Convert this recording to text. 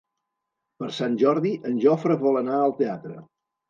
Per Sant Jordi en Jofre vol anar al teatre.